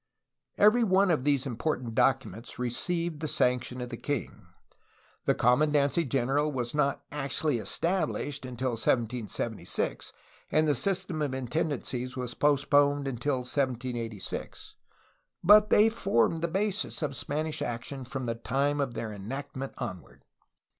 Every onte of these important documents received the sanction of the king. The commandancy general was not actually established until 1776, and the system of inten dancies was postponed until 1786, but they formed the basis of Spanish action from the time of their enactment onward.